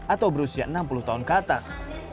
atau berusia enam puluh tahun ke atas